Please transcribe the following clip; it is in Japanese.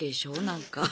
なんか。